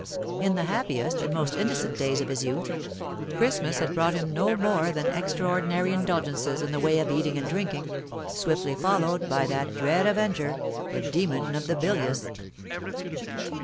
In the happiest and most innocent days of his youth, Christmas had brought him no more than extraordinary indulgences in the way of eating and drinking, swiftly followed by that dread avenger, the demon of the bilious.